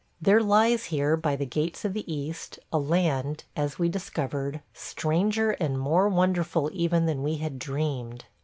There lies here, by the gates of the East, a land, as we discovered, stranger and more wonderful even than we had dreamed.